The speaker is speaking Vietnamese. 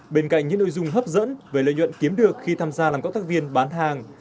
bên cạnh những nội dung hấp dẫn về lợi nhuận kiếm được khi tham gia làm cộng tác viên bán hàng